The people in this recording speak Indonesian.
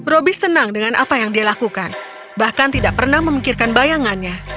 roby senang dengan apa yang dia lakukan bahkan tidak pernah memikirkan bayangannya